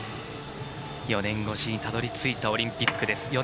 ４年越しにたどりついたオリンピックです。